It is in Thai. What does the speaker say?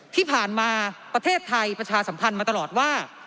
ที่ผ่านมาประเทศไทยประชาสัมพันธ์มาตลอดว่า